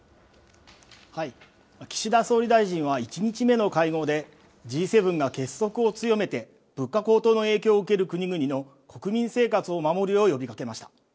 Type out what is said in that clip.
岸田総理大臣は１日目の会合で、Ｇ７が結束を強めて、物価高騰の影響を受ける国々の国民生活を守るよう呼びかけました。